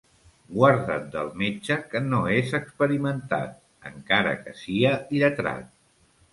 Guarda't del metge que no és experimentat, encara que sia lletrat.